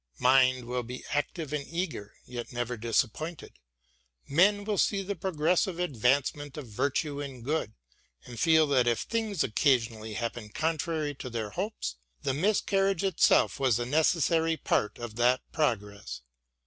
Mind will be active and eager, yet never disappointed. Men will see the progressive advancement of virtue and good and feel that if things occasoni ally happen contrary to their hopes, the miscarriage itseH was a necessary part of that progress.